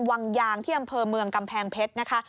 วังยางที่อำเภอเมืองกำแพงเพชรนะคะ